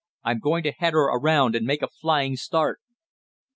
"I'm going to head her around and make a flying start."